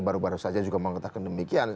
baru baru saja juga mengatakan demikian